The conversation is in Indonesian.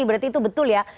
berarti itu betul ya